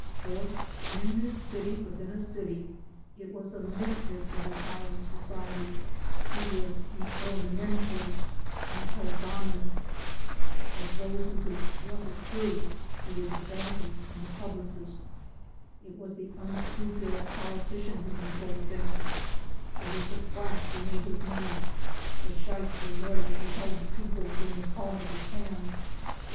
\j For in this city within a city it was the misfits of Italian society who were "i prominenti" and held dominance ; it was those who could "bluff it through," who were the "bankers" and the publicists ; it was the unscrupulous politician who controlled things; it was the quack who made his money; the shyster lawyer who held the people within the palm of his hand.